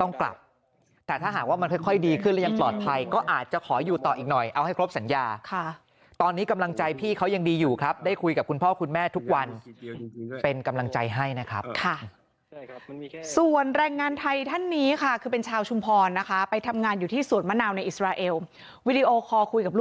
ต้องกลับแต่ถ้าหากว่ามันค่อยดีขึ้นแล้วยังปลอดภัยก็อาจจะขออยู่ต่ออีกหน่อยเอาให้ครบสัญญาค่ะตอนนี้กำลังใจพี่เขายังดีอยู่ครับได้คุยกับคุณพ่อคุณแม่ทุกวันเป็นกำลังใจให้นะครับค่ะส่วนแรงงานไทยท่านนี้ค่ะคือเป็นชาวชุมพรนะคะไปทำงานอยู่ที่สวนมะนาวในอิสราเอลวิดีโอคอลคุยกับลูก